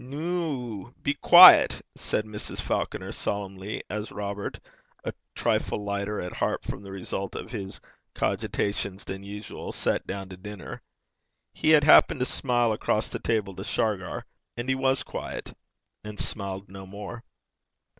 'Noo, be douce,' said Mrs. Falconer, solemnly, as Robert, a trifle lighter at heart from the result of his cogitations than usual, sat down to dinner: he had happened to smile across the table to Shargar. And he was douce, and smiled no more.